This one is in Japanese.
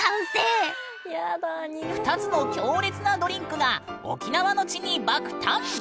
２つの強烈なドリンクが沖縄の地に爆誕！